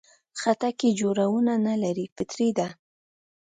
خټکی جوړونه نه لري، فطري ده.